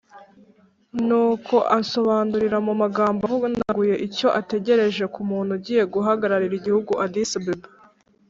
nuko ansobanurira mu magambo avunaguye icyo ategereje ku muntu ugiye guhagararira igihugu addis-abeba,